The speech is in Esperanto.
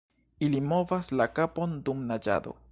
Ili movas la kapon dum naĝado.